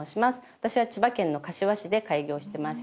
私は千葉県の柏市で開業してまして